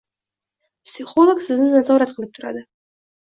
Psixolog sizni nazorat qilib turadi